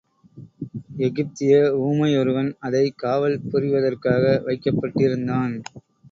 எகிப்திய ஊமையொருவன் அதைக் காவல் புரிவதற்காக வைக்கப்பட்டிருந்தான்.